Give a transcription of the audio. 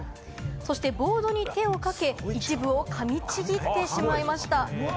そしてボードに手をかけ、一部を噛みちぎってしまいました。